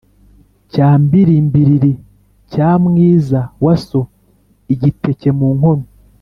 Cya mbirimbiriri cya mwiza wa so-Igiteke mu nkono.